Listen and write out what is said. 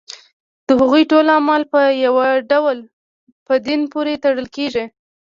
د هغوی ټول اعمال په یو ډول په دین پورې تړل کېږي.